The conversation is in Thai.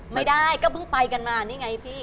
ไม่ได้ก็เพิ่งไปกันมานี่ไงพี่